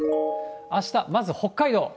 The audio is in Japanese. あしたまず北海道。